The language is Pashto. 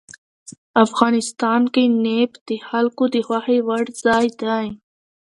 افغانستان کې نفت د خلکو د خوښې وړ ځای دی.